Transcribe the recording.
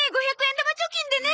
５００円玉貯金でね。